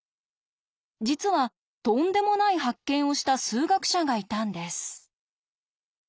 実はとんでもない発見をした数学者がいたんです。